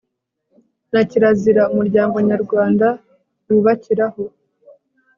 na kirazira umuryango nyarwanda wubakiraho